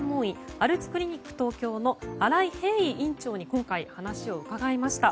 アルツクリニック東京の新井平伊院長に今回、話を伺いました。